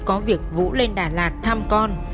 có việc vũ lên đà lạt thăm con